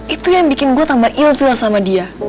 itu yang bikin gue tambah ill feel sama dia